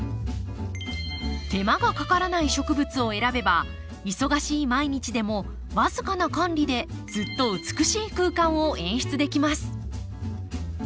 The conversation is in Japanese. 手間がかからない植物を選べば忙しい毎日でも僅かな管理でずっと美しい空間を演出できます。